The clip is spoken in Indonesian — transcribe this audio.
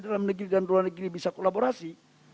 dalam negeri dan luar negeri bisa kolaborasi